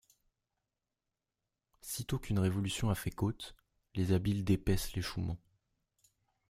Sitôt qu’une révolution a fait côte, les habiles dépècent l’échouement.